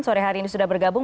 sore hari ini sudah bergabung